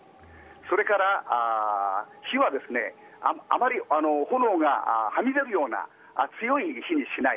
それからあまり炎がはみ出るような強い火にしない。